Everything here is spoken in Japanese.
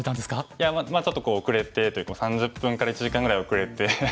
いやまあちょっと遅れてというか３０分から１時間ぐらい遅れて。